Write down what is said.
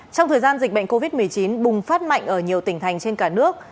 trong thời gian dịch bệnh covid một mươi chín bùng phát mạnh ở nhiều tỉnh thành trên cả nước